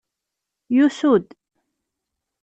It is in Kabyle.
Yusu-d.